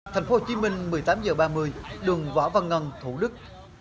thành phố hồ chí minh một mươi tám h ba mươi đường võ văn ngân thủ đức